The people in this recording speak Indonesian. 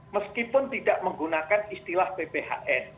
meskipun tidak menggunakan istilah pphn